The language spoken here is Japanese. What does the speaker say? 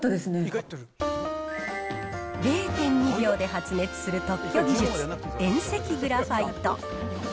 ０．２秒で発熱する特許技術、遠赤グラファイト。